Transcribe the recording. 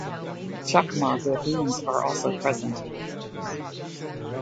Chacma baboons are also present.